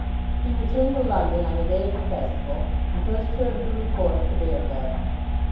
He returned to London on the day of the festival, and first heard of the report at the Beargarden.